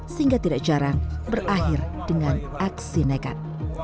sehingga tidak jarang berakhir dengan aksi nekat